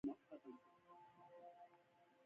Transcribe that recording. کرکټ نړۍوال شهرت لري.